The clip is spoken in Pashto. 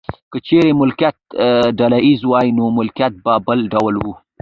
که چیرې مالکیت ډله ایز وای نو وضعیت به بل ډول و.